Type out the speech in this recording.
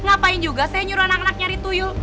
apa yang juga saya nyuruh anak anak nyari tuyul